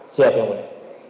siap yang mulia